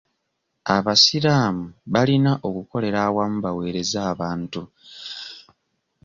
Abasiraamu balina okukolera awamu baweereze abantu.